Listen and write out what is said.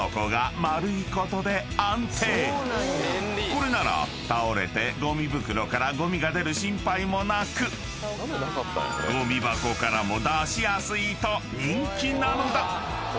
［これなら倒れてごみ袋からごみが出る心配もなくごみ箱からも出しやすいと人気なのだ！］